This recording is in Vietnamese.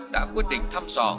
đã quyết định thăm sò